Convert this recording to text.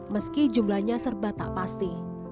meski jumlahnya serba tak pasti